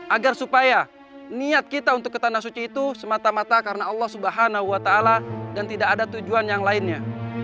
agar supaya niat kita untuk ke tanah suci itu semata mata karena allah swt dan tidak ada tujuan yang lainnya